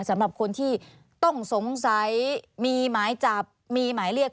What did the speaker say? สำหรับคนที่ต้องสงสัยมีหมายจับมีหมายเรียก